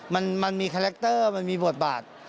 มันมีคาแรคเตอร์มันมีบทบาท